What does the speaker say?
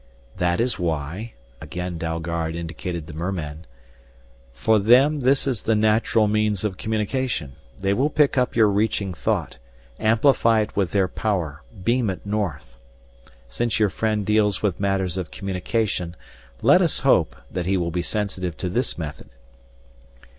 "That is why " again Dalgard indicated the mermen. "For them this is the natural means of communication. They will pick up your reaching thought, amplify it with their power, beam it north. Since your friend deals with matters of communication, let us hope that he will be sensitive to this method."